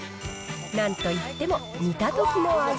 なんといっても煮たときの味。